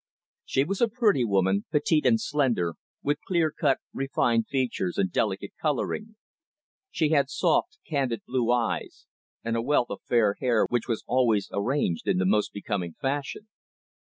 She was a pretty woman, petite and slender, with clear cut, refined features and delicate colouring. She had soft, candid blue eyes, and a wealth of fair hair which was always arranged in the most becoming fashion.